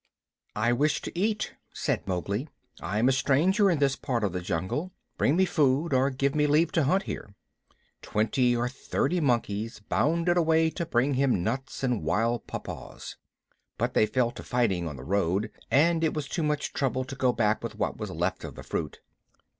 "I wish to eat," said Mowgli. "I am a stranger in this part of the jungle. Bring me food, or give me leave to hunt here." Twenty or thirty monkeys bounded away to bring him nuts and wild pawpaws. But they fell to fighting on the road, and it was too much trouble to go back with what was left of the fruit.